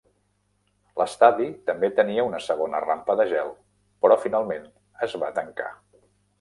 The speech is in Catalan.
L"estadi també tenia una segona rampa de gel, però finalment es va tancar.